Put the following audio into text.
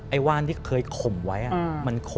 ไอ้ว่านที่เคยข่มไว้อะ